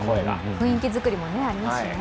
雰囲気作りもありますしね。